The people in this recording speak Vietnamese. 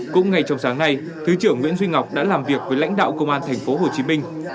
cũng ngày trong sáng nay thứ trưởng nguyễn duy ngọc đã làm việc với lãnh đạo công an tp hcm